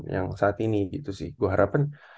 yang saat ini gitu sih gua harapin